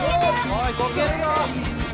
おいこけるぞ！